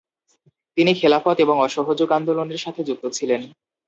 তিনি খেলাফত এবং অসহযোগ আন্দোলনের সাথে যুক্ত ছিলেন।